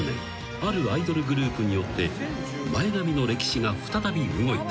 あるアイドルグループによって前髪の歴史が再び動いた］